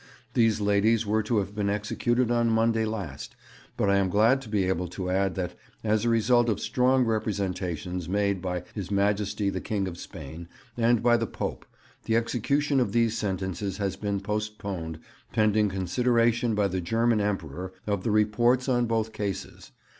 These ladies were to have been executed on Monday last; but I am glad to be able to add that, as the result of strong representations made by His Majesty the King of Spain and by the Pope, the execution of these sentences has been postponed pending consideration by the German Emperor of the reports on both cases.